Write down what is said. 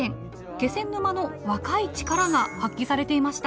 気仙沼の若い力が発揮されていました。